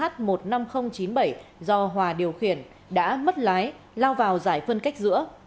ô tô tải biển kiểm soát hai mươi chín h một mươi năm nghìn chín mươi bảy do hòa điều khiển đã mất lái lao vào giải phân cách giữa